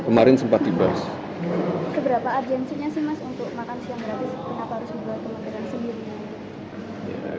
seberapa arjensinya sih mas untuk makan siang gratis kenapa harus membuat penganggaran sendiri